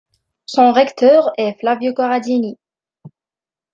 Son recteur est Flavio Corradini.